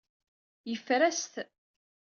Yeffer-as-t.